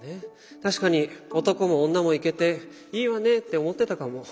確かに男も女もいけていいわねって思ってたかも。